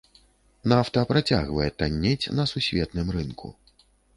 Нафта працягвае таннець на сусветным рынку.